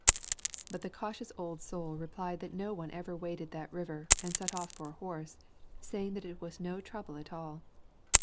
But the cautious old soul replied that no one ever waded that river and set off for a horse, saying that it was no trouble at all.